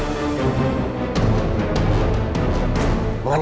eh kak fani